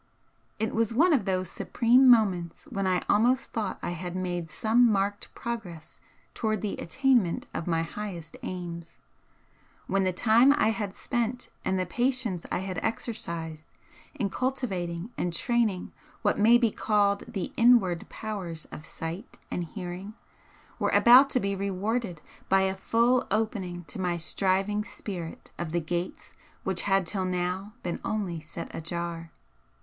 It was one of those supreme moments when I almost thought I had made some marked progress towards the attainment of my highest aims, when the time I had spent and the patience I had exercised in cultivating and training what may be called the INWARD powers of sight and hearing were about to be rewarded by a full opening to my striving spirit of the gates which had till now been only set ajar.